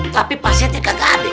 tapi pasiennya kagak ada